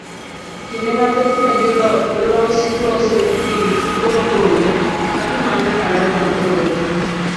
Kinde mathoth ne giloso kind tuke mopogore kagimanyo talanta mopogore.